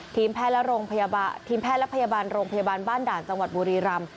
ทีมแพทย์และพยาบาลโรงพยาบาลบ้านด่านจังหวัดบุรีรัม